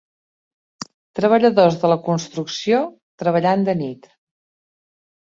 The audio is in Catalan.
Treballadors de la construcció treballant de nit.